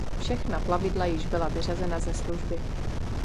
Všechna plavidla již byla vyřazena ze služby.